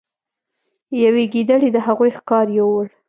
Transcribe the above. یوې ګیدړې د هغوی ښکار یووړ.